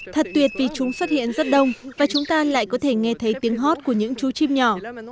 thật tuyệt vì chúng xuất hiện rất đông và chúng ta lại có thể nghe thấy tiếng hót của những chú chim nhỏ